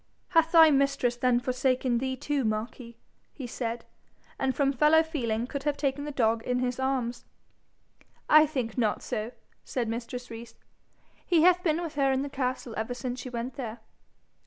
'Hath thy mistress then forsaken thee too, Marquis?' he said, and from fellow feeling could have taken the dog in his arms. 'I think not so,' said mistress Rees. 'He hath been with her in the castle ever since she went there.'